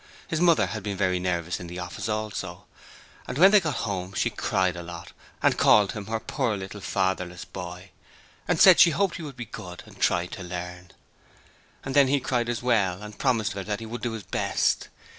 His mother had been very nervous in the office also, and when they got home she cried a lot and called him her poor little fatherless boy, and said she hoped he would be good and try to learn. And then he cried as well, and promised her that he would do his best.